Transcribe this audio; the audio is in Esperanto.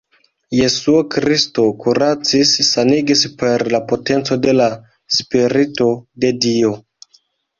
Jesuo Kristo kuracis-sanigis per la potenco de la Spirito de Dio.